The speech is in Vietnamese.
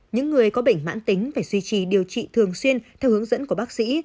những người có bệnh mãn tính phải suy trì điều trị thường xuyên theo hướng dẫn của bác sĩ